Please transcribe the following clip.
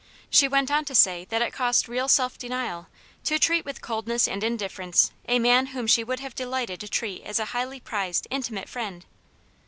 ! She went on to say that it cost real self denial to treat with coldness and indifference a man whom she would have delighted to treat as a highly prized, intimate friend.